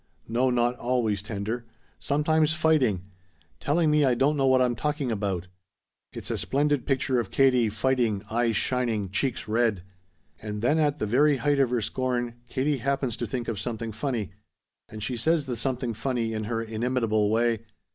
No, not always tender. Sometimes fighting! Telling me I don't know what I'm talking about. It's a splendid picture of Katie fighting eyes shining, cheeks red. "And then at the very height of her scorn, Katie happens to think of something funny. And she says the something funny in her inimitable way.